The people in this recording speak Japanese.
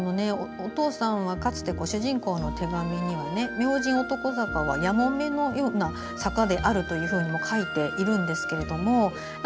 お父さんはかつて主人公の手紙には明神男坂はやもめのような坂であるとも書いているんですけれども。